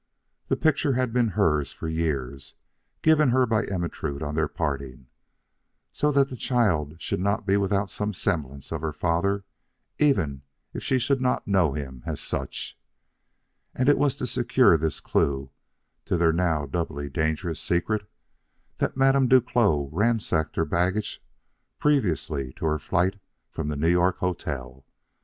The picture had been hers for years, given her by Ermentrude on their parting, so that the child should not be without some semblance of her father even if she should not know him as such, and it was to secure this clue to their now doubly dangerous secret that Madame Duclos ransacked her baggage previous to her flight from the New York hotel.